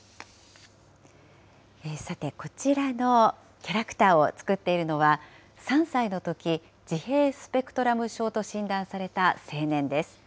さて、こちらのキャラクターを作っているのは、３歳のとき、自閉スペクトラム症と診断された青年です。